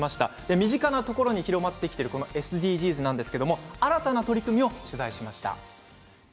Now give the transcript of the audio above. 身近なところに広がってきているＳＤＧｓなんですけれども新たな取り組みを取材しました。